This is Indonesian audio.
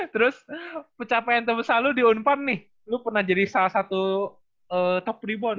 terus pecapaian terbesar lu di unpar nih lu pernah jadi salah satu top rebound